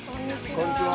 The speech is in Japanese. こんにちは。